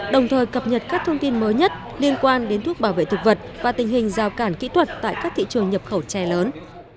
đồng thời cập nhật các thông tin mới nhất liên quan đến thuốc bảo vệ thực vật và tình hình giao cản kỹ thuật tại các thị trường nhập khẩu trẻ lớn